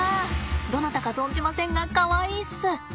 どなたか存じませんがかわいいっす！